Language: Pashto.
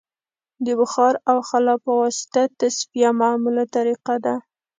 د بخار او خلا په واسطه تصفیه معموله طریقه ده